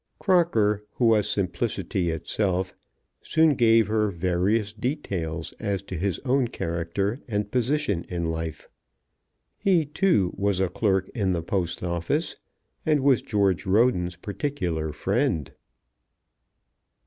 Crocker, who was simplicity itself, soon gave her various details as to his own character and position in life. He, too, was a clerk in the Post Office, and was George Roden's particular friend.